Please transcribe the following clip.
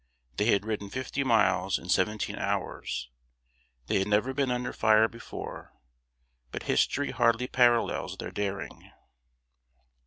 They had ridden fifty miles in seventeen hours; they had never been under fire before; but history hardly parallels their daring.